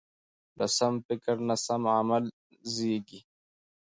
له سم فکر نه سم عمل زېږي.